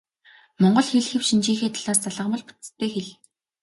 Монгол хэл хэв шинжийнхээ талаас залгамал бүтэцтэй хэл.